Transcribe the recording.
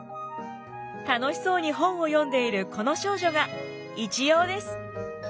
楽しそうに本を読んでいるこの少女が一葉です。